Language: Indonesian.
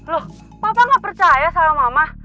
loh papa gak percaya sama mama